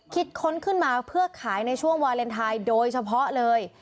ค้นขึ้นมาเพื่อขายในช่วงวาเลนไทยโดยเฉพาะเลย